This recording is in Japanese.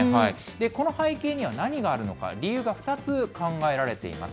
この背景には何があるのか、理由が２つ考えられています。